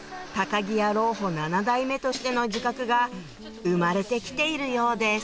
木屋老舗７代目としての自覚が生まれて来ているようです